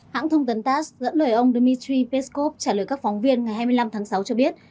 hãng thông tấn tass dẫn lời ông dmitry peskov trả lời các phóng viên ngày hai mươi năm tháng sáu cho biết